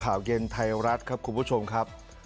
ข่าวเย็นไทยรัฐครับคุณผู้ชมครับ